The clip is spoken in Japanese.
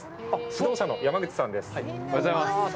指導者の山口さんです。